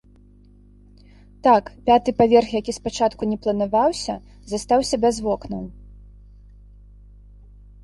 Так, пяты паверх, які спачатку не планаваўся, застаўся без вокнаў.